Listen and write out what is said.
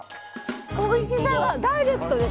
おいしさがダイレクトです！